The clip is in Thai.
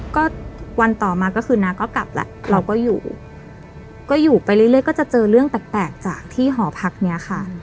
ก็วันต่อมาก็คือน้าก็กลับแล้วเราก็อยู่ก็อยู่ไปเรื่อยก็จะเจอเรื่องแปลกจากที่หอพักเนี้ยค่ะ